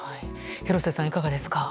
廣瀬さん、いかがですか？